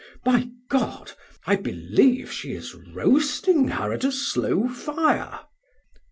By God! I believe she is roasting her at a slow fire."